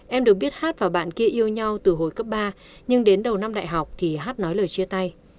em được biết hát và bạn kia yêu nhau từ hồi cấp ba nhưng đến đầu năm đại học thì hát nói lời chia tay